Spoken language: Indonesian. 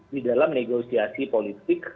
di dalam negosiasi politik